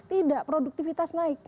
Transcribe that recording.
tidak produktivitas naik